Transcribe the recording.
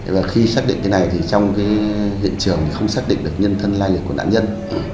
và khi xác định cái này thì trong hiện trường không xác định được nhân thân lai liệt của nạn nhân